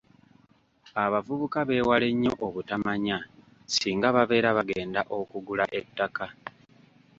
Abavubuka beewale nnyo obutamanya singa babeera bagenda okugula ettaka.